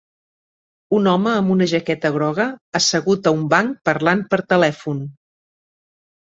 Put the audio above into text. Un home amb una jaqueta groga assegut a un banc parlant per telèfon.